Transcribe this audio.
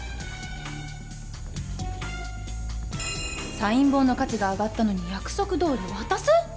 サイン本の価値が上がったのに約束どおり渡す？